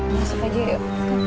masuk aja yuk